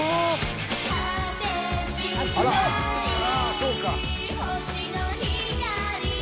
そうか。